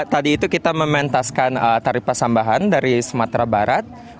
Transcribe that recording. tadi itu kita mementaskan tarif pasambahan dari sumatera barat